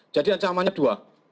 jadi ancamannya dua